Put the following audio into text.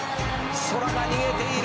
「ソラが逃げている。